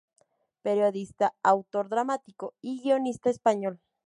Periodista, autor dramático y guionista español.